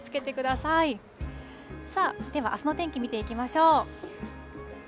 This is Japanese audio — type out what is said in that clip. さあ、ではあすの天気、見ていきましょう。